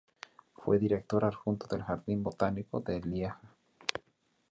Fue director adjunto del Jardín Botánico de Lieja.